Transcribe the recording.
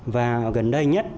và gần đây nhất